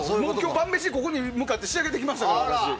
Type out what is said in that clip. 晩飯ここへ向かって仕上げてきました。